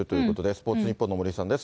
スポーツニッポンの森さんです。